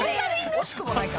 惜しくもないか。